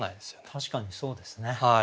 確かにそうですね。